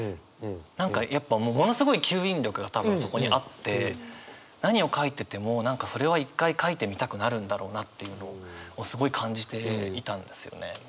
何かやっぱものすごい吸引力が多分そこにあって何を書いててもそれは一回書いてみたくなるんだろうなっていうのをすごい感じていたんですよね。